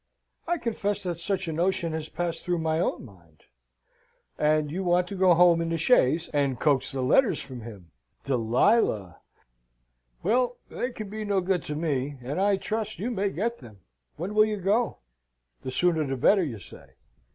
"I confess that such a notion has passed through my own mind." "And you want to go home in the chaise, and coax the letters from him! Delilah! Well, they can be no good to me, and I trust you may get them. When will you go? The sooner the better, you say?